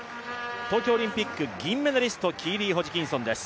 東京オリンピック銀メダリスト、キーリー・ホジキンソンです。